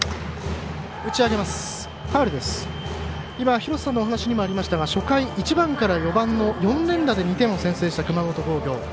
廣瀬さんのお話にもありましたが初回、１番から４番の４連打で２点を先制した熊本工業。